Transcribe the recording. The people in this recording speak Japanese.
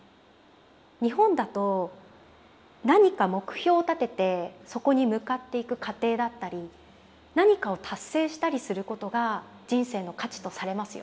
日本だと何か目標を立ててそこに向かっていく過程だったり何かを達成したりすることが人生の価値とされますよね。